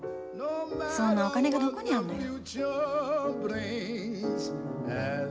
そんなお金がどこにあるのよ。